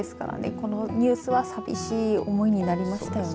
このニュースは寂しい思いになりましたよね。